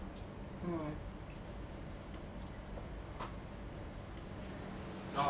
うん。あっ。